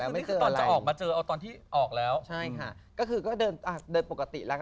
ไม่กลัว